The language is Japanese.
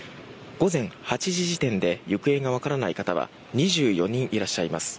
午前８時時点で行方がわからない方は２４人いらっしゃいます。